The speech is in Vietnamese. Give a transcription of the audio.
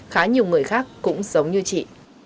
khá nhiều người khác cũng giống như chị